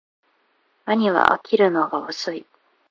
兄は起きるのが遅い